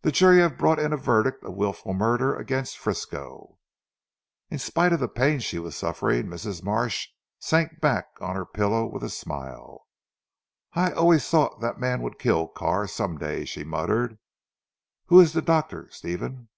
"The jury have brought in a verdict of wilful murder against Frisco." In spite of the pain she was suffering Mrs. Marsh sank back on her pillow with a smile. "I always thought that man would kill Carr some day" she muttered. "Who is the doctor Stephen?"